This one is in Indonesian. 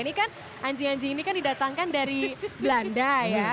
ini kan anjing anjing ini kan didatangkan dari belanda ya